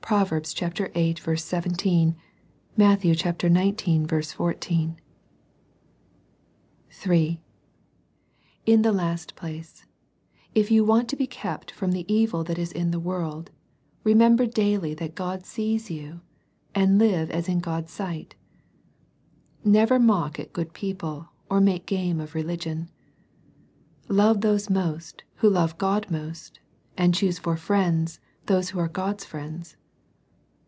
(Prov. viii. 17; Matt. xix. 14.) (3) In the last place, if you want to be kept from the evil that is in the world, remember daily that God sees you, and live as in God's sight. Never mock at good people, or make game of religion. Love those most who love God most, and choose for friends those who are God's friends.